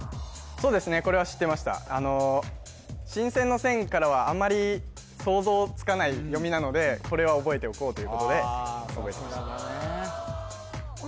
そうですねこれは知ってました新鮮の「鮮」からはあまり想像つかない読みなのでこれは覚えておこうということで覚えてました